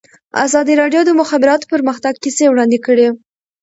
ازادي راډیو د د مخابراتو پرمختګ کیسې وړاندې کړي.